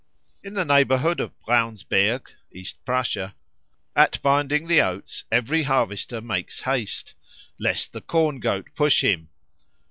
In the neighbourhood of Braunsberg (East Prussia) at binding the oats every harvester makes haste "lest the Corn goat push him."